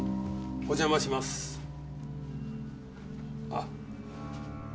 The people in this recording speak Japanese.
あっ！